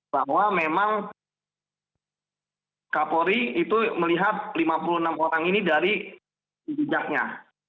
bahwa memang kapolri itu melihat lima puluh enam orang ini dari jejaknya